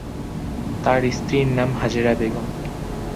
তার স্ত্রীর নাম হাজেরা বেগম।